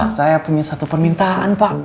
saya punya satu permintaan pak